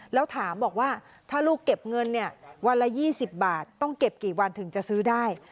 แล้วถามบอกว่าถ้าลูกเก็บเงินวันละ๒๐บาทต้องเก็บกี่วันถึงจะซื้อได้